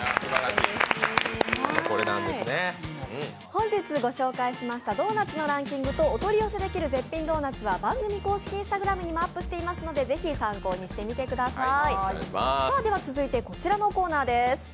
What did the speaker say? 本日ご紹介しましたドーナツのランキングと、お取り寄せできるドーナツは番組公式Ｉｎｓｔａｇｒａｍにもアップしていますので、ぜひ参考にしてください。